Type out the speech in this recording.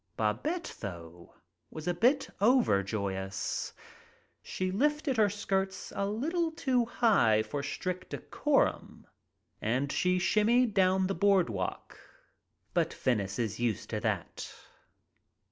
Babette, though, was a bit overjoyous. She lifted her skirts a little too high for strict decorum and she shimmied down the broad walk, but Venice is used to that.